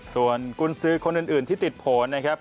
ส่วนกุญสือคนอื่นที่ติดผลนะครับ